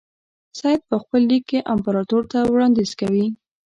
سید په خپل لیک کې امپراطور ته وړاندیز کوي.